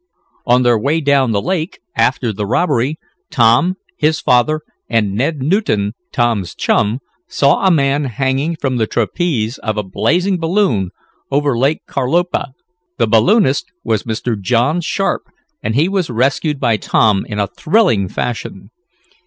On their way down the lake, after the robbery, Tom, his father and Ned Newton, Tom's chum, saw a man hanging from the trapeze of a blazing balloon over Lake Carlopa. The balloonist was Mr. John Sharp and he was rescued by Tom in a thrilling fashion.